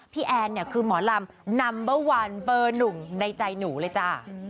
แอนเนี่ยคือหมอลำนัมเบอร์วันเบอร์หนึ่งในใจหนูเลยจ้า